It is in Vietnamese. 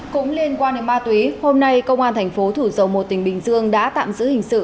cũng liên quan đến ma túy hôm nay công an thành phố thủ dầu một tỉnh bình dương đã tạm giữ hình sự